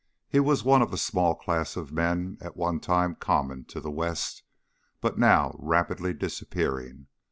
He was one of a small class of men at one time common to the West, but now rapidly disappearing.